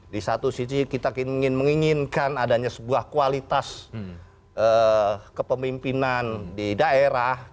di satu sisi kita ingin menginginkan adanya sebuah kualitas kepemimpinan di daerah